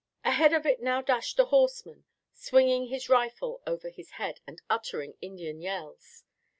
] Ahead of it now dashed a horseman, swinging his rifle over his head and uttering Indian yells.